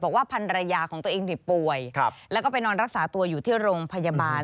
พันรยาของตัวเองป่วยแล้วก็ไปนอนรักษาตัวอยู่ที่โรงพยาบาล